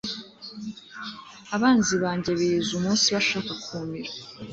abanzi banjye biriza umunsi bashaka kumira